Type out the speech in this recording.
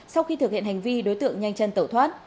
sau khi thực hiện hành vi đối tượng nhanh chân tẩu thoát